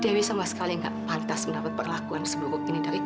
dewi sama sekali nggak pantas mendapat perlakuan seburuk ini dari kamu